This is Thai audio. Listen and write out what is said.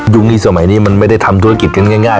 อยู่ในสมัยนี้ไม่ได้ทำธุรกิจง่าย